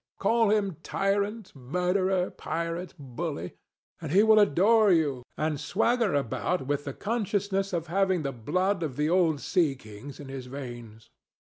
Call him tyrant, murderer, pirate, bully; and he will adore you, and swagger about with the consciousness of having the blood of the old sea kings in his veins.